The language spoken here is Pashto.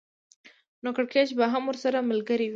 نو کړکېچ به هم ورسره ملګری وي